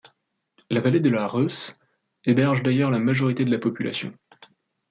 La vallée de la Reuss héberge d'ailleurs la majorité de la population.